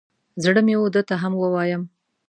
زړه مې و ده ته هم ووایم.